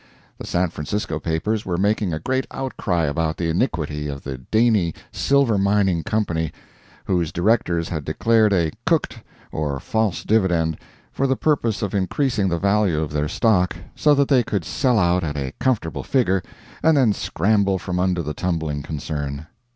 The San Francisco papers were making a great outcry about the iniquity of the Daney Silver Mining Company, whose directors had declared a "cooked" or false dividend, for the purpose of increasing the value of their stock, so that they could sell out at a comfortable figure, and then scramble from under the tumbling concern.